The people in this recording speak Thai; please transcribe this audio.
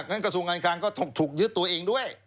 กระทรวงการคลังก็ถูกยึดตัวเองด้วย